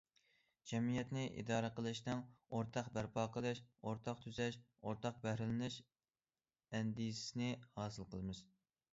جەمئىيەتنى ئىدارە قىلىشنىڭ ئورتاق بەرپا قىلىش، ئورتاق تۈزەش، ئورتاق بەھرىلىنىش ئەندىزىسىنى ھاسىل قىلىمىز.